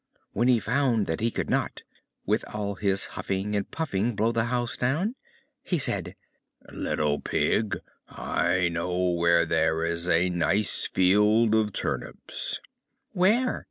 When he found that he could not, with all his huffing and puffing, blow the house down, he said, "Little Pig, I know where there is a nice field of turnips." "Where?"